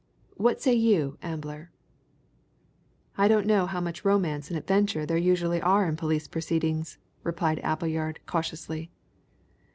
What say you, Ambler?" "I don't know how much romance and adventure there usually are in police proceedings," replied Appleyard cautiously.